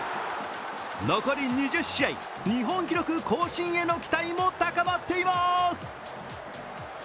残り２０試合、日本記録更新への期待も高まっています。